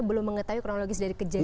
belum mengetahui kronologis dari kejadian